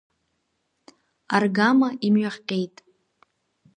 Аргама имҩахҟьеит…